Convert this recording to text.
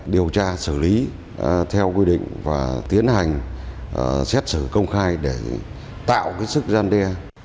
điều tra xử lý theo quy định và tiến hành xét xử công khai để tạo sức gian đe